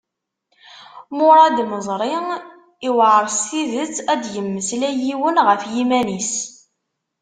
Muṛad Meẓri: Iwεer s tidet ad d-yemmeslay yiwen ɣef yiman-is.